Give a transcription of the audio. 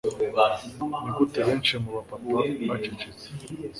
Ni Gute benshi mu bapapa bacecetse